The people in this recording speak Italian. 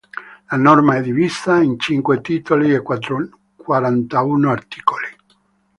La norma è divisa in cinque titoli e quarantuno articoli.